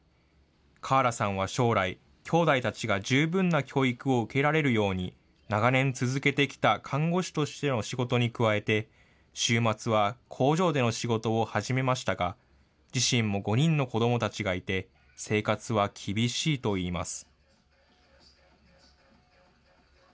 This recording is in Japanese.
カーラさんは将来、兄弟たちが十分な教育を受けられるように、長年続けてきた看護師としての仕事に加えて、週末は工場での仕事を始めましたが、自身も５人の子どもたちがいて、生活は厳しいといいます。